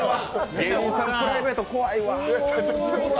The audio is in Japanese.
芸人さんのプライベート、怖いわ。